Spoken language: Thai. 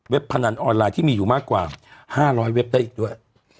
พนันออนไลน์ที่มีอยู่มากกว่า๕๐๐เว็บได้อีกด้วย